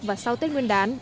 và sau tết nguyên đán